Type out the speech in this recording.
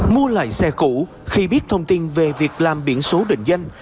mua lại xe cũ khi biết thông tin về việc làm biển số định danh